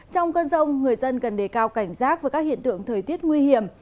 trong cơn rông người dân cần đề cao cảnh giác với các hiện tượng thời tiết nguy hiểm